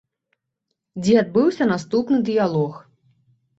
Дзе адбыўся наступны дыялог.